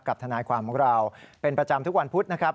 ทนายความของเราเป็นประจำทุกวันพุธนะครับ